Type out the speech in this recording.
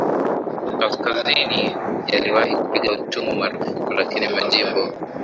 kaskazini yaliwahi kupiga utumwa marufuku lakini majimbo